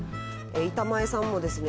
板前さんもですね